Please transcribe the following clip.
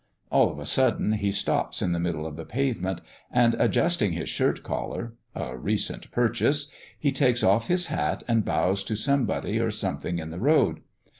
All of a sudden he stops in the middle of the pavement, and, adjusting his shirt collar (a recent purchase), he takes off his hat and bows to somebody or something in the road.